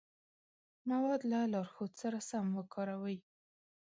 مواد له لارښود سره سم وکاروئ.